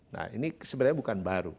nah ini sebenarnya bukan baru